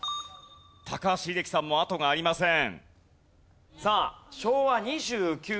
高橋英樹さんもあとがありません。